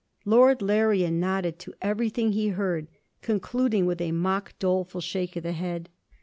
Lord Larrian nodded to everything he heard, concluding with a mock doleful shake of the head.